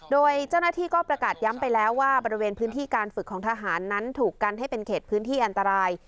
โดยเจ้าหน้าที่ก็ประกาศย้ำไปแล้วว่าบริเวณพื้นที่การฝึกของทหารนั้นถูกกันให้เป็นเขตพื้นที่อันตราย